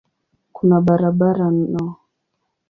Kuna barabara no.